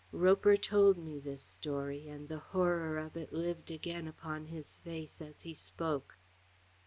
Roper told me this story, and the horror of it lived again upon his face as he spoke.